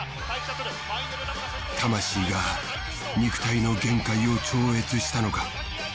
魂が肉体の限界を超越したのか。